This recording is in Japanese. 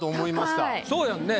そうやんね。